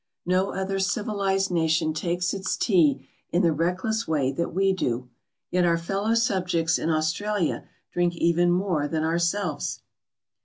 No other civilized nation takes its tea in the reckless way that we do. Yet our fellow subjects in Australia drink even more than ourselves.